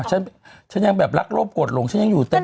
ฉันฉันยังแบบรักโลภกวดลงฉันยังอยู่เต็มไปหมด